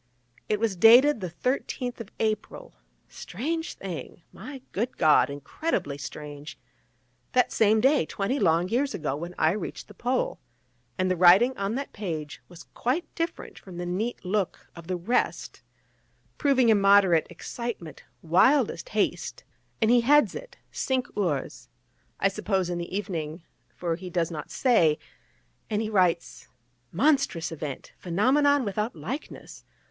It was dated the 13th of April strange thing, my good God, incredibly strange that same day, twenty long years ago, when I reached the Pole; and the writing on that page was quite different from the neat look of the rest, proving immoderate excitement, wildest haste; and he heads it 'Cinq Heures,' I suppose in the evening, for he does not say: and he writes: 'Monstrous event! phenomenon without likeness!